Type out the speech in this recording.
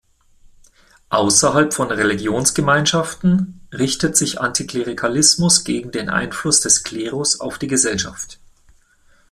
Außerhalb von Religionsgemeinschaften richtet sich Antiklerikalismus gegen den Einfluss des Klerus auf die Gesellschaft.